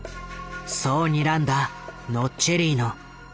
そうにらんだノッチェリーノ。